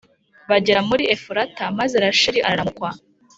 bagera muri Efurata maze Rasheli araramukwa